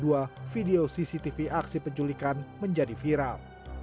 tersangka bekerja sebagai pengumpul barang bekas dan sering minum kopi di warung milik ibu korban